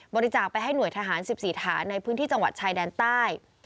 บริจาคไปให้หน่วยทหาร๑๔ฐานในพื้นที่จังหวัดชายแดนใต้